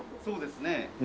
そうですね。